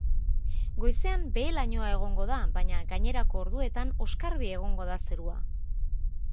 Goizean behe-lainoa egongo da, baina gainerako orduetan oskarbi egongo da zerua.